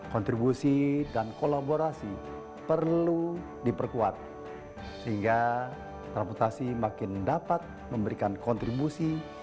kontribusi dan kolaborasi perlu diperkuat sehingga reputasi makin dapat memberikan kontribusi